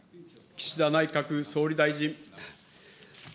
岸田内閣総理大臣。